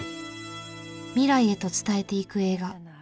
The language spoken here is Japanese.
未来へと伝えていく映画。